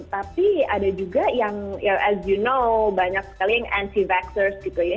tapi ada juga yang as you know banyak sekali yang nctors gitu ya